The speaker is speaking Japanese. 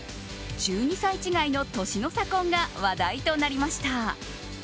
１２歳違いの年の差婚が話題となりました。